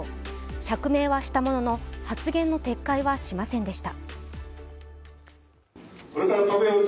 釈明はしたものの、発言の撤回はしませんでした。